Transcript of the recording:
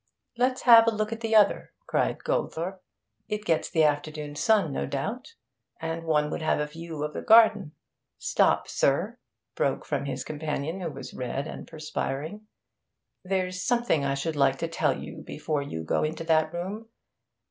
'Let's have a look at the other,' cried Goldthorpe. 'It gets the afternoon sun, no doubt. And one would have a view of the garden.' 'Stop, sir!' broke from his companion, who was red and perspiring. 'There's something I should like to tell you before you go into that room.